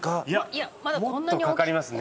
いやもっとかかりますね。